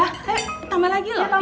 eh tambah lagi loh